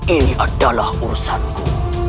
ini adalah urusanku